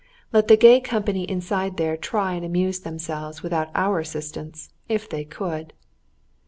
Let the gay company inside there try and amuse themselves without our assistance if they could!